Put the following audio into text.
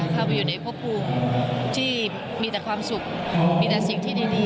เข้าไปอยู่ในพบภูมิที่มีแต่ความสุขมีแต่สิ่งที่ดี